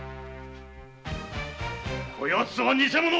こやつは偽者！